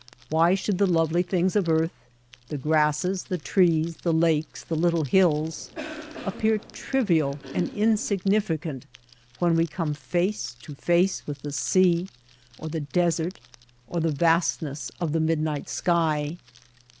Why should the lovely things of earth — the grasses, the trees, the lakes, the little hills — appear trivial and insignificant when we come face to face with the sea or the desert or the vastness of the midnight sky